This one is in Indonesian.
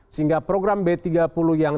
sehingga program b tiga puluh yang